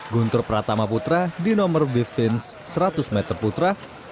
gunter pratama putra di nomor bivins seratus meter putra